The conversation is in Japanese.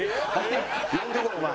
呼んでこいお前。